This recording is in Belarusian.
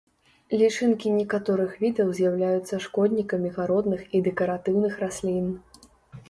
Лічынкі некаторых відаў з'яўляюцца шкоднікамі гародных і дэкаратыўных раслін.